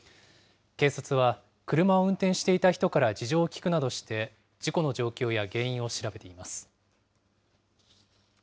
警察は、車を運転していた人から事情を聴くなどして、事故の状況や原因を調べています。